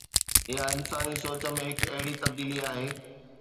اها انساني سوچ ۾ هڪ اهڙي تبديلي آهي.